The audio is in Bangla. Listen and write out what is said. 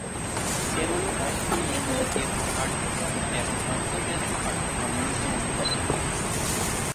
যেগুলো অস্ট্রেলিয়ান জাতীয় পাঠ্যক্রম এবং আন্তর্জাতিক পাঠ্যক্রম অনুসরণ করে।